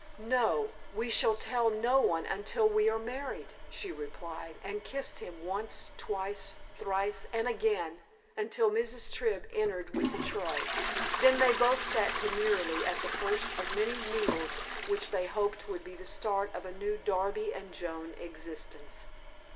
"No. We shall tell no one until we are married," she replied, and kissed him once, twice, thrice, and again, until Mrs. Tribb entered with the tray. Then they both sat demurely at the first of many meals which they hoped would be the start of a new Darby and Joan existence.